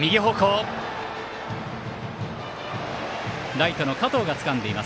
ライトの加藤がつかんでいます。